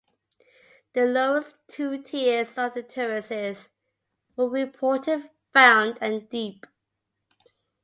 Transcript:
The lowest two tiers of the terraces were reported found at deep.